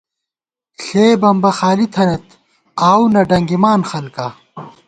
ݪے بمبہ خالی تھنَئیت آؤو نہ ڈنگِمان خلکا